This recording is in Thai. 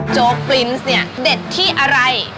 โจ๊กปลินส์เนี่ยเด็ดที่อะไร